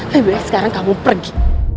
lebih baik sekarang kamu pergi